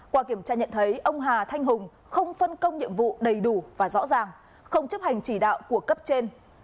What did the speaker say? qua kiểm tra nhận thấy ông hà thanh hùng không phân công nhiệm vụ đầy đủ và rõ ràng không chấp hành chỉ đạo của cấp trên